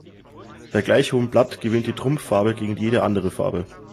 Bei gleich hohem Blatt gewinnt die Trumpffarbe gegen jede andere Farbe.